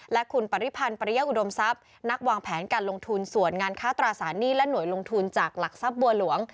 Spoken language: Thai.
และคุณปริพันธ์ปริยอุดมทรัพย์นักวางแผนการลงทุนส่วนงานค้าตราสารหนี้และหน่วยลงทุนจากหลักทรัพย์บัวหลวง